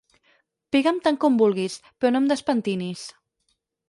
Pega'm tant com vulguis, però no em despentinis.